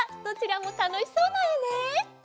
どちらもたのしそうなえね。